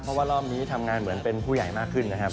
เพราะว่ารอบนี้ทำงานเหมือนเป็นผู้ใหญ่มากขึ้นนะครับ